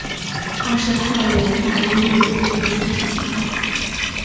二是派员打入日伪内部搜集情报。